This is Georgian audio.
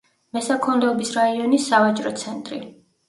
მესაქონლეობის რაიონის სავაჭრო ცენტრი.